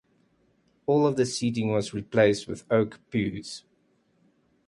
All of the seating was replaced with oak pews.